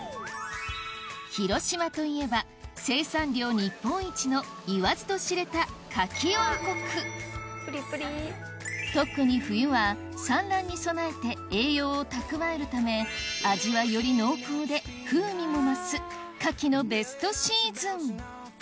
広島といえば生産量日本一の言わずと知れた牡蠣王国特に冬は産卵に備えて栄養を蓄えるため味はより濃厚で風味も増す牡蠣のベストシーズン